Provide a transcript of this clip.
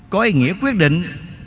có ý nghĩa quyết định